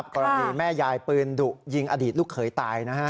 ก็อย่างงี้แม่ยายปืนดุยิงอดีกลูกเคยตายนะฮะ